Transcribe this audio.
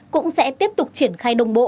cũng sẽ tiếp tục triển khai đồng bộ